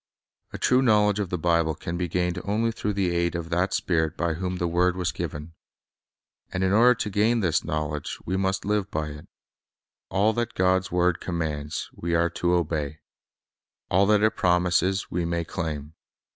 A true knowledge of the Bible can be gained only through the aid of that Spirit by whom the word was given. And in order to gain this knowledge we must live by it. All that God's word commands, Ave are to obey. All that it promises, we may claim.